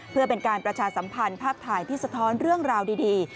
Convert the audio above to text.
เพื่อเป็นการประชาสัมพันธ์ภาพถ่ายที่สะท้อนเรื่องราวดี